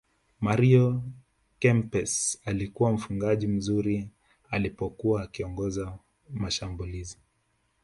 mario kempes alikuwa mfungaji mzuri alipokuwa akiongoza mashambulizi